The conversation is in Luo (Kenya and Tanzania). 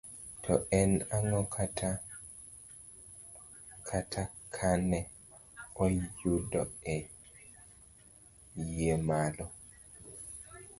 To en ang'o kata kane oyude e wiye malo?